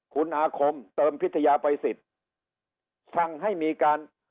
คุณอาคมเติมพิทยาภัยสิทธิ์สั่งให้มีการ